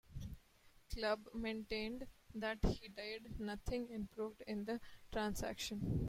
Clubb maintained that he did nothing improper in the transaction.